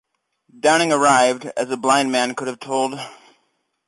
Downing arrived, as a blind man could have told.